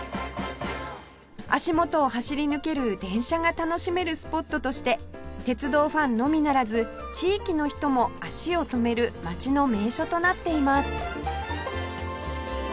足元を走り抜ける電車が楽しめるスポットとして鉄道ファンのみならず地域の人も足を止める街の名所となっています